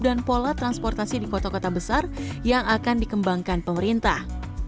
dan pola transportasi di kota kota besar yang akan dikembangkan pemerintah